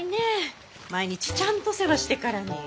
毎日ちゃんと世話してからに。